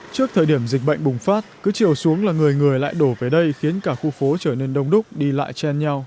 trước thời điểm dịch bệnh bùng phát cứ chiều xuống là người người lại đổ về đây khiến cả khu phố trở nên đông đúc đi lại chen nhau